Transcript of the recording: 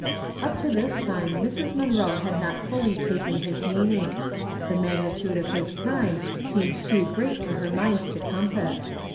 Up to this time Mrs. Munroe had not fully taken his meanino^. The maornitude of liis crime seemed too great for her mind to compass.